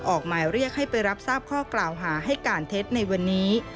ออกหมายเรียกให้ไปรับทราบข้อกล่าวหาให้การเท็จในวันนี้